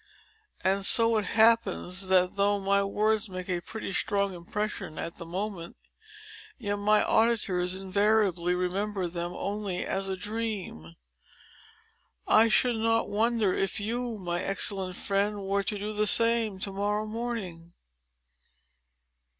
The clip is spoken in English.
And so it happens, that, though my words make a pretty strong impression at the moment, yet my auditors invariably remember them only as a dream. I should not wonder if you, my excellent friend, were to do the same, to morrow morning."